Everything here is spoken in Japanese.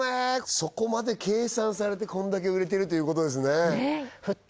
そこまで計算されてこんだけ売れてるということですね沸騰！